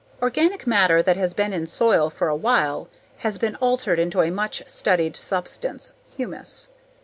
Organic matter that has been in soil for a while has been altered into a much studied substance, humus.